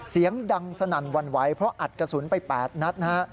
เสียงดังสนั่นหวั่นไหวเพราะอัดกระสุนไป๘นัดนะฮะ